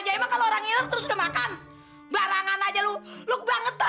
capek capek gua masak